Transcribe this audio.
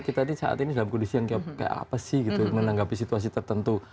kita ini saat ini dalam kondisi yang kayak apa sih gitu menanggapi situasi tertentu